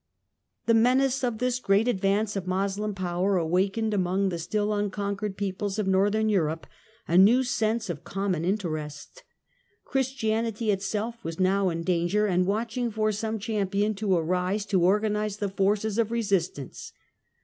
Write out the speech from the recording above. / The menace of this great advance of Moslem power awakened among the still unconquered peoples of Northern Europe a new sense of common interest. I Christianity itself was now in danger, and watching for some champion to arise to organise the forces of resist ance.